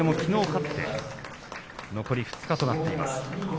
勝って残り２日となっています。